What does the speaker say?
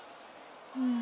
うん。